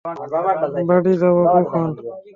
বাড়ি যাবো কখন?